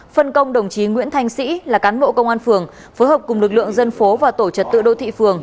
phân công đồng chí nguyễn thanh sĩ là cán bộ công an phường phối hợp cùng lực lượng dân phố và tổ trật tự đô thị phường